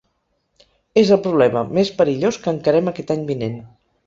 És el problema més perillós que encarem aquest any vinent.